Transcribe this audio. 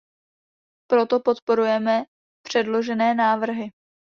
Proto podporujeme předložené návrhy.